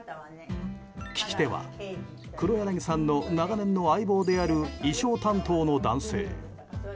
聞き手は黒柳さんの長年の相棒である衣装担当の男性。